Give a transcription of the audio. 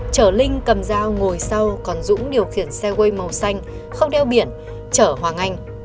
chở linh cầm dao ngồi sau còn dũng điều khiển xe quay màu xanh không đeo biển chở hoàng anh